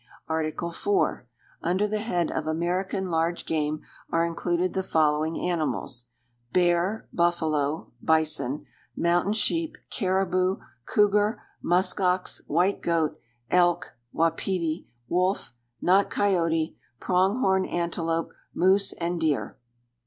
Article IV. Under the head of American large game are included the following animals: Bear, buffalo (bison), mountain sheep, caribou, cougar, musk ox, white goat, elk (wapiti), wolf (not coyote), pronghorn antelope, moose, and deer.